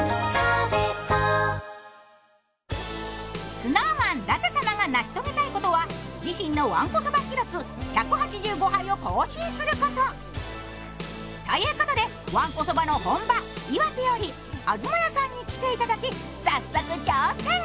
ＳｎｏｗＭａｎ舘様が成し遂げたいことは自身のわんこそば記録１６５杯を更新すること。ということで、わんこそばの本場、岩手より東家さんに来ていただき早速、挑戦！